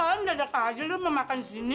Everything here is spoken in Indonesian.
kalian udah deket aja lu mau makan di sini